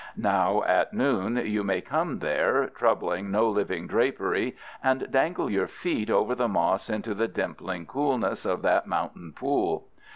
Now at noon you may come there, troubling no living drapery, and dangle your feet over the moss into the dimpling coolness of that mountain pool.